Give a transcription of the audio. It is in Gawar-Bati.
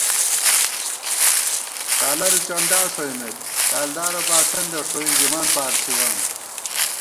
ڈالَرہ چندا ݭوئیمېت کالدارہ باسندہ ݭوئی ژِمان پارسِوان